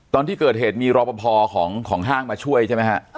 ตอนที่เกิดเหตุมีรอปภของห้างมาช่วยใช่ไหมฮะ